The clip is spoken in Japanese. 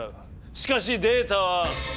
しかしデータは。